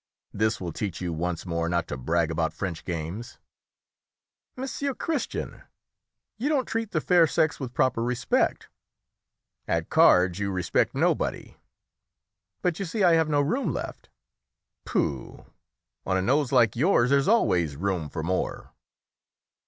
This will teach you once more not to brag about French games." "Monsieur Christian, you don't treat the fair sex with proper respect." "At cards you respect nobody." "But you see I have no room left!" "Pooh, on a nose like yours there's always room for more!"